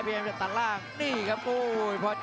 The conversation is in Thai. ประเภทมัยยังอย่างปักส่วนขวา